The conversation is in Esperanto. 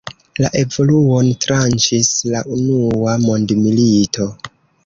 La evoluon tranĉis la unua mondmilito.